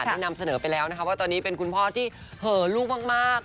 ได้นำเสนอไปแล้วนะคะว่าตอนนี้เป็นคุณพ่อที่เหอลูกมาก